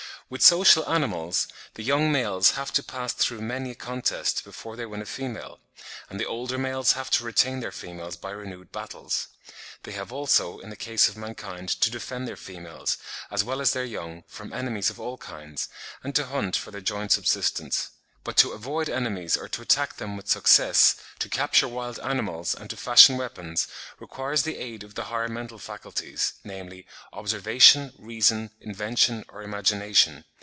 With social animals, the young males have to pass through many a contest before they win a female, and the older males have to retain their females by renewed battles. They have, also, in the case of mankind, to defend their females, as well as their young, from enemies of all kinds, and to hunt for their joint subsistence. But to avoid enemies or to attack them with success, to capture wild animals, and to fashion weapons, requires the aid of the higher mental faculties, namely, observation, reason, invention, or imagination.